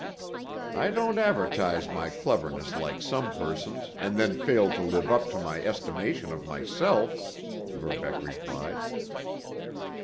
"I don't advertise my cleverness like some persons, and then fail to live up to my estimation of myself," Verbeck replied.